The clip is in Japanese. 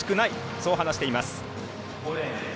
そう話しています。